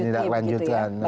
di tindak lanjutkan